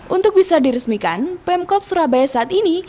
untuk bisa diresmikan pemkot surabaya saat ini